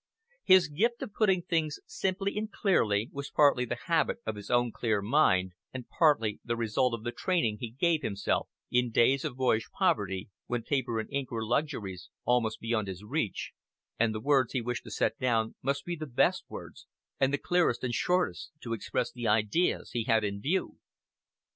His gift of putting things simply and clearly was partly the habit of his own clear mind, and partly the result of the training he gave himself in days of boyish poverty, when paper and ink were luxuries almost beyond his reach, and the words he wished to set down must be the best words, and the clearest and shortest to express the ideas he had in view.